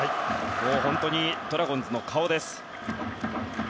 本当にドラゴンズの顔です。